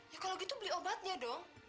ya kalau gitu beli obatnya dong